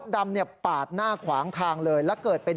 กู้ออกขวานไม่ได้ปากแม่น